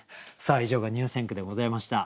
さあ以上が入選句でございました。